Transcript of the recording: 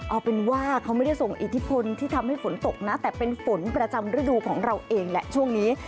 เอาเป็นว่าเขาไม่ได้ส่งอิทธิพลที่ทำให้ฝนตกนะแต่เป็นฝนประจำฤดูของเราเองแหละช่วงนี้